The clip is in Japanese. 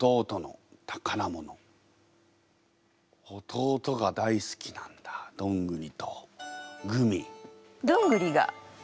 弟が大好きなんだどんぐりとグミ。